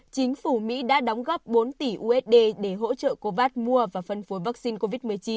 chính phủ mỹ đã đóng góp bốn tỷ usd để hỗ trợ covas mua và phân phối vaccine covid một mươi chín